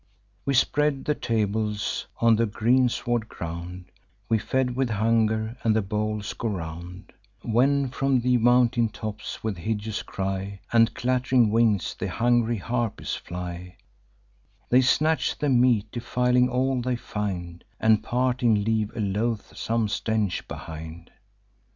We spread the tables on the greensward ground; We feed with hunger, and the bowls go round; When from the mountain tops, with hideous cry, And clatt'ring wings, the hungry Harpies fly; They snatch the meat, defiling all they find, And, parting, leave a loathsome stench behind.